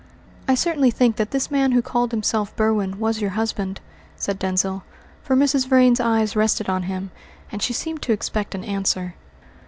"I certainly think that this man who called himself Berwin was your husband," said Denzil, for Mrs. Vrain's eyes rested on him, and she seemed to expect an answer.